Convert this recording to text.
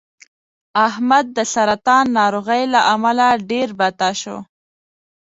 احمد د سرطان ناروغۍ له امله ډېر بته شو